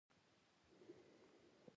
نه مې نتکې شته نه د غاړې تعویذونه .